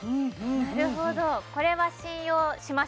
なるほどこれは信用しました